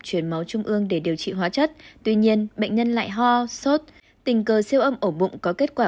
truyền máu trung ương để điều trị hóa chất tuy nhiên bệnh nhân lại ho sốt tình cờ siêu âm ổ bụng có kết quả